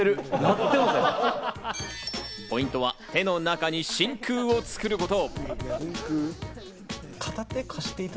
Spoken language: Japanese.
ポイントは手の中に真空を作ること。